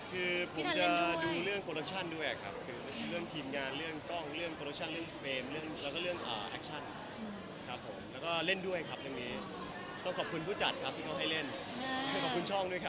คือผมจะดูเรื่องโปรโมชั่นด้วยครับคือเรื่องทีมงานเรื่องกล้องเรื่องโปรโมชั่นเรื่องเฟรมเรื่องแล้วก็เรื่องแอคชั่นครับผมแล้วก็เล่นด้วยครับยังมีต้องขอบคุณผู้จัดครับที่เขาให้เล่นขอบคุณช่องด้วยครับ